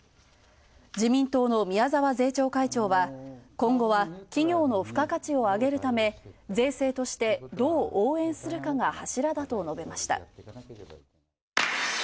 自民党の宮沢税調会長は今後は、企業の付加価値を上げるため、税制としてどう応援するかが大きな柱だと述べました。